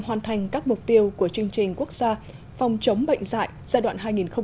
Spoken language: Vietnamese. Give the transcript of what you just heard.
hoàn thành các mục tiêu của chương trình quốc gia phòng chống bệnh dạy giai đoạn hai nghìn hai mươi hai hai nghìn ba mươi